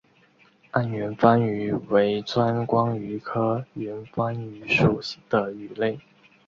暗圆帆鱼为钻光鱼科圆帆鱼属的鱼类。